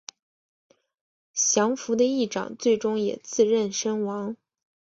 降伏的义长最终也自刃身亡。